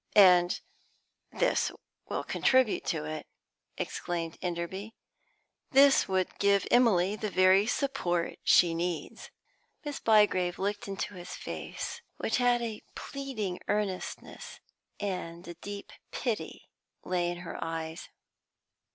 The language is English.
"And this will contribute to it," exclaimed Enderby. "This would give Emily the very support she needs." Miss Bygrave looked into his face, which had a pleading earnestness, and a deep pity lay in her eyes.